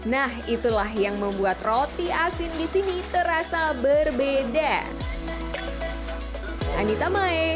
nah itulah yang membuat roti asin di sini terasa berbeda